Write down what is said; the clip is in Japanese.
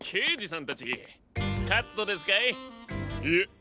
ん？